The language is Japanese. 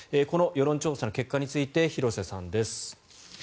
この世論調査の結果について廣瀬さんです。